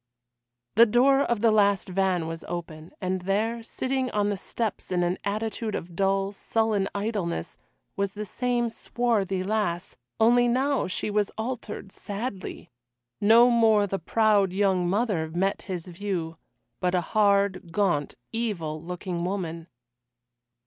The door of the last van was open, and there, sitting on the steps in an attitude of dull sullen idleness, was the same swarthy lass, only now she was altered sadly! No more the proud young mother met his view, but a hard, gaunt, evil looking woman.